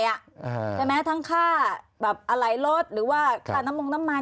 ใช่ไหมทั้งค่าแบบอะไรรถหรือว่าค่าน้ำมงน้ำมัน